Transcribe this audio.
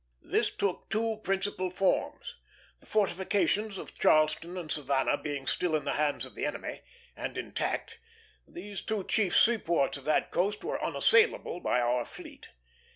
This took two principal forms. The fortifications of Charleston and Savannah being still in the hands of the enemy, and intact, these two chief seaports of that coast were unassailable by our fleet.